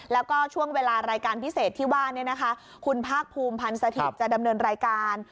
แล้วก็ช่วงเวลารายการพิเศษที่ว่าคุณภาคภูมิพันธ์สถิตย์จะดำเนินรายการ